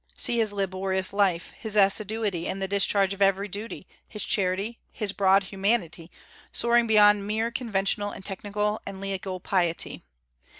See his laborious life, his assiduity in the discharge of every duty, his charity, his broad humanity, soaring beyond mere conventional and technical and legal piety.